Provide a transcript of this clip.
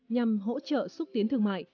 nhằm hỗ trợ xúc tiến thương mại